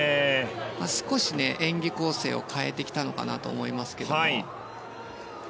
少し演技構成を変えてきたのかなと思いますけども。